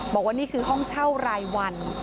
บอกว่านี่คือห้องเช่ารายวัน